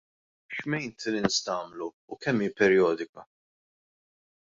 X'maintenance tagħmlu, u kemm hi perjodika?